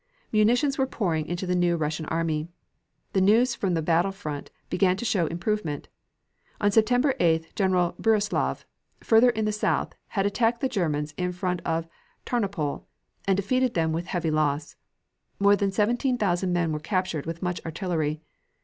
Munitions were pouring into the new Russian army. The news from the battle front began to show improvement. On September 8th General Brussilov, further in the south, had attacked the Germans in front of Tarnopol, and defeated them with heavy loss. More than seventeen thousand men were captured with much artillery.